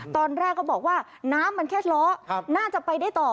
ตอนแรกก็บอกว่าน้ำมันแค่ล้อน่าจะไปได้ต่อ